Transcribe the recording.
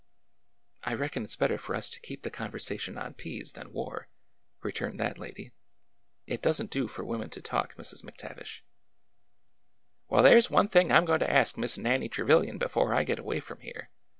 " I reckon it 's better for us to keep the conversation on peas than war," returned that lady. " It does n't do for women to talk, Mrs. McTavish." " Well, there 's one thing I 'm going to ask Miss Nannie Trevilian before I get away from here!